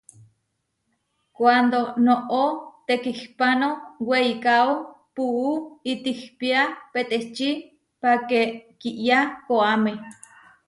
Kuándo noʼó tekihpáno weikáo, puú itihpía peteči páke kiyá koʼáme.